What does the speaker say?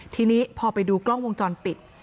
ทีนี้พอไปดูกล้องวงจรปิด